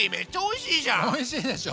おいしいでしょ。